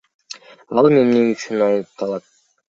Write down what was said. Ал эми эмне үчүн айыпталат?